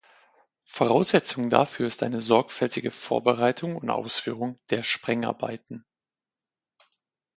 Voraussetzung dafür ist eine sorgfältige Vorbereitung und Ausführung der Sprengarbeiten.